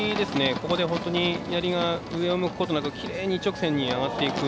ここで本当にやりが上を向くことなくきれいに一直線に上がっていく